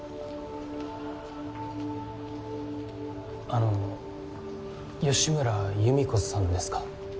あの吉村由美子さんですか？